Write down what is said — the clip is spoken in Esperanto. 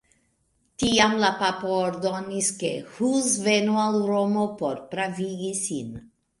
Tiam la papo ordonis, ke Hus venu al Romo por pravigi sin.